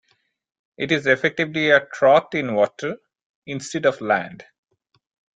It is effectively a "trot" in water, instead of land.